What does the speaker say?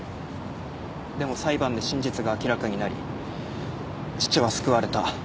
でも裁判で真実が明らかになり父は救われた。